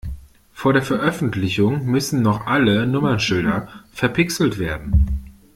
Vor der Veröffentlichung müssen noch alle Nummernschilder verpixelt werden.